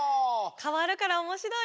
かわるからおもしろいよね。